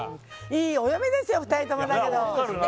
いいお嫁ですよ、２人とも。